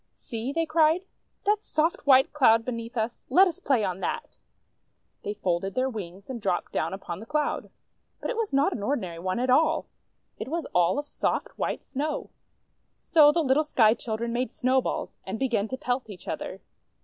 "See," they cried, "that soft, white Cloud beneath us! Let us play on that! " They folded their wings, and dropped down upon the Cloud. But it was not an ordinary one at all; it was all of soft, white Snow. So the little Sky Children made Snowballs, and began to pelt each other.